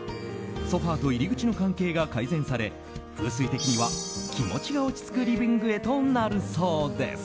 ソファと入り口の関係が改善され風水的には気持ちが落ち着くリビングへとなるそうです。